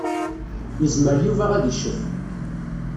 Yezmer Yuba ad iccef.